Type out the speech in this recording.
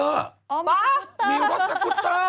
อ๋อมีรถสกุตเตอร์ป๊ามีรถสกุตเตอร์